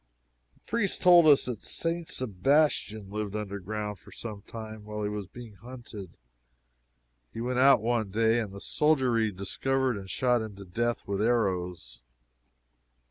The priest told us that St. Sebastian lived under ground for some time while he was being hunted; he went out one day, and the soldiery discovered and shot him to death with arrows.